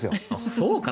そうかな？